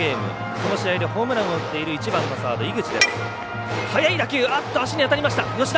その試合でホームランを打っている１番のサード、井口。